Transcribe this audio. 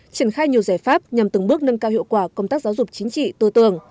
triển khai nhiều giải pháp nhằm từng bước nâng cao hiệu quả công tác giáo dục chính trị tư tưởng